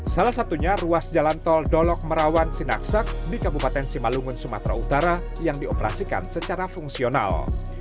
salah satunya ruas jalan tol dolok merawan sinaksak di kabupaten simalungun sumatera utara yang dioperasikan secara fungsional